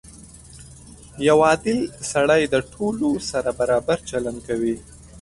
• یو عادل سړی د ټولو سره برابر چلند کوي.